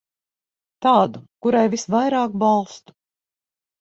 Tādu, kurai visvairāk balstu.